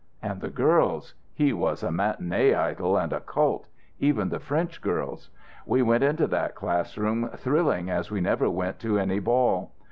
And the girls he was a matinée idol and a cult even the French girls. We went into that classroom thrilling as we never went to any ball.